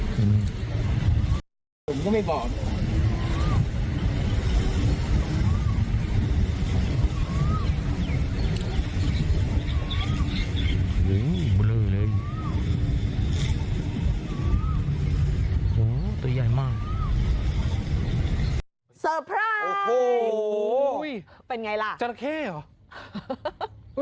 สเตอร์ไพรส์โอ้โหเป็นไงล่ะจราแค่หรอ